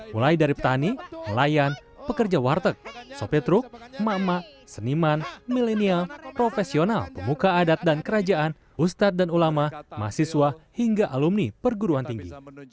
mulai dari petani nelayan pekerja warteg sopitruk mama seniman milenial profesional pemuka adat dan kerajaan ustad dan ulama mahasiswa hingga alumni perguruan tinggi